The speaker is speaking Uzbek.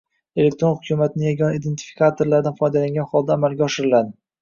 elektron hukumatning yagona identifikatorlaridan foydalangan holda amalga oshiriladi.